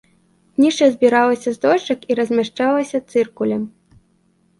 Днішча збіралася з дошак і размячалася цыркулем.